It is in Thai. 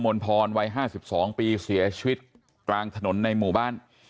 นพรวัย๕๒ปีเสียชีวิตกลางถนนในหมู่บ้าน